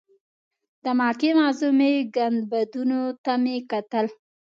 د مکې معظمې ګنبدونو ته مې کتل.